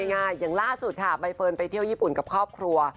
อย่างล่าสุดค่ะใบเฟิร์นไปเที่ยวญี่ปุ่นกับครอบครัว